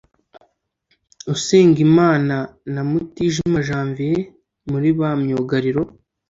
Usengimana na Mutijima Janvier muri ba myugariro